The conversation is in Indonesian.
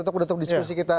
untuk mendatang diskusi kita